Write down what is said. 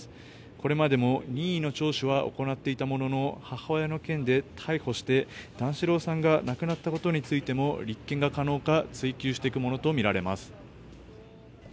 これまでも任意の聴取は行っていたものの母親の件で逮捕して段四郎さんが亡くなったことについても立件が可能か追及していくものとみられます。